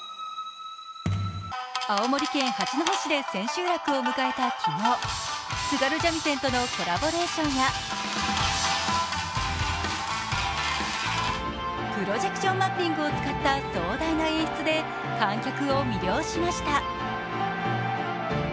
青森県八戸市で千秋楽を迎えた昨日、津軽三味線とのコラボレーションやプロジェクションマッピングを使った壮大な演出で観客を魅了しました。